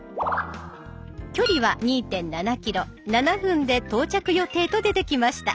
距離は２．７ｋｍ７分で到着予定と出てきました。